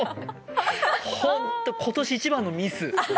今年一番のミス。